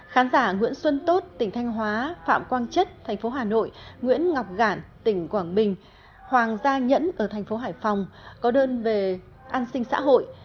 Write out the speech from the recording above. khán giả nguyễn xuân tốt tỉnh thanh hóa phạm quang chất thành phố hà nội nguyễn ngọc gản tỉnh quảng bình hoàng gia nhẫn ở thành phố hải phòng có đơn về an sinh xã hội